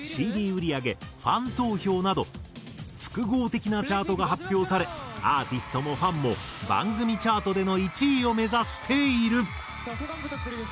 売り上げファン投票など複合的なチャートが発表されアーティストもファンも番組チャートでの１位を目指している。